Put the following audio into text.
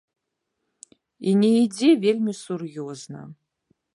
І не ідзе вельмі сур'ёзна.